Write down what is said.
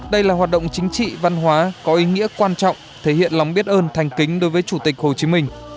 đây là hoạt động chính trị văn hóa có ý nghĩa quan trọng thể hiện lòng biết ơn thành kính đối với chủ tịch hồ chí minh